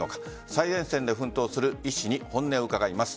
最前線で奮闘する医師に本音を伺います。